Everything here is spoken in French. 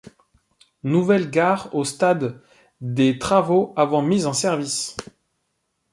Nouvelle gare au stade des travaux avant mise en service.